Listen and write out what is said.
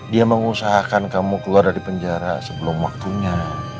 dia mengusahakan kamu keluar dari penjara sebelum waktunya